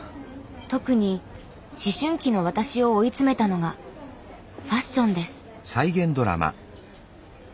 特に思春期の私を追い詰めたのがファッションです。